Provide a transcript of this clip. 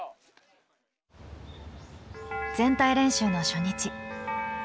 全体練習の初日。